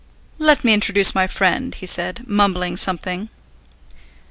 "Let me introduce my friend," he said, mumbling something.